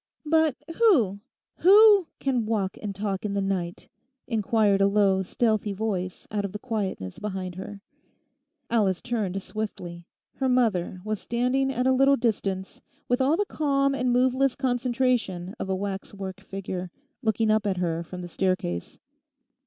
'But who—who "can walk and talk in the night?"' inquired a low stealthy voice out of the quietness behind her. Alice turned swiftly. Her mother was standing at a little distance, with all the calm and moveless concentration of a waxwork figure, looking up at her from the staircase.